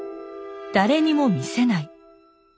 誰にも見せない」。